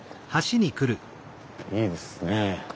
いいですね。